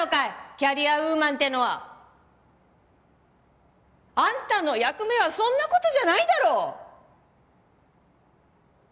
キャリアウーマンってのはあんたの役目はそんなことじゃないだろ？